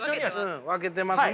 分けてますね。